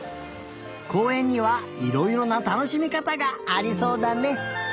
こうえんにはいろいろなたのしみかたがありそうだね。